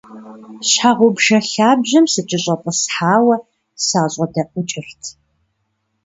Щхьэгъубжэ лъабжьэм сыкъыкӀэщӀэтӀысхьауэ, сащӏэдэӏукӏырт.